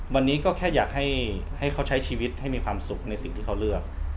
วันนี้ก็แค่อยากให้เขาใช้ชีวิตให้มีความสุขในสิ่งที่เขาเลือก